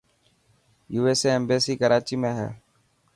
USA ايمبيسي ڪراچي ۾ هي .